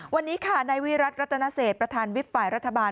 วันนี้ค่ะนายวิรัติรัตนเศษประธานวิบฝ่ายรัฐบาล